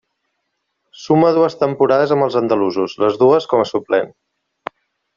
Suma dues temporades amb els andalusos, les dues com a suplent.